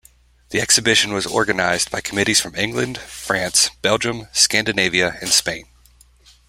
The exhibition was organised by committees from England, France, Belgium, Scandinavia and Spain.